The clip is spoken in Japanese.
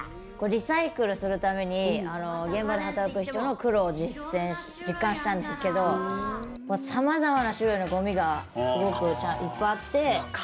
リサイクルするために現場で働く人の苦労を実感したんですけどさまざまな種類のごみが、すごくいっぱいあって。